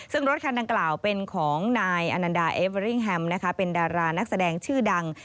ซึ่งรถคันดังกล่าวเป็นของนอเอเวริงแฮมเป็นดารานักแสดงชื่อดัง